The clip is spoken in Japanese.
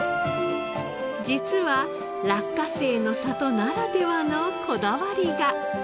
実は落花生の里ならではのこだわりが！